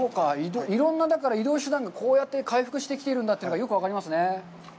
いろんな移動手段がこうやって回復してきているというのが分かりますね。